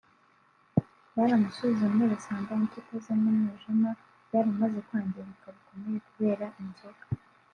baramusuzumye basanga impyiko ze n’umwijima byaramaze kwangirika bikomeye kubera inzoga